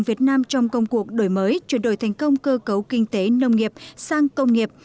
việt nam trong công cuộc đổi mới chuyển đổi thành công cơ cấu kinh tế nông nghiệp sang công nghiệp